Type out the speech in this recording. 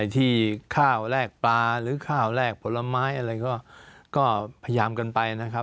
ที่ข้าวแลกปลาหรือข้าวแลกผลไม้อะไรก็พยายามกันไปนะครับ